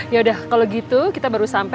yaudah kalo gitu kita baru sampe